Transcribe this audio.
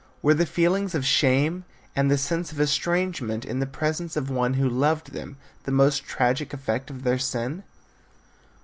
Were the feelings of shame, and the sense of estrangement in the presence of one who loved them, the most tragic effect of their sin?